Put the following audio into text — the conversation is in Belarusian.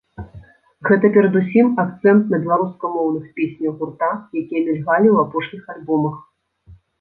Гэта перадусім акцэнт на беларускамоўных песнях гурта, якія мільгалі ў апошніх альбомах.